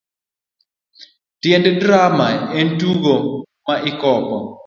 Tiend drama en tugo ma ikopo.